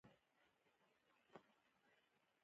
د هغوی سوکالۍ لپاره برابره پاملرنه اړینه ده.